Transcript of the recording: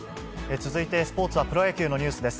続いてスポーツはプロ野球のニュースです。